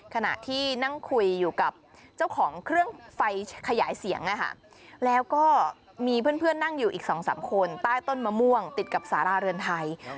ขณะที่นั่งคุยอยู่กับเจ้าของเครื่องไฟขยายเสียงแล้วก็มีเพื่อนนั่งอยู่อีก๒๓คนใต้ต้นมะม่วงติดกับสาราเรือนไทย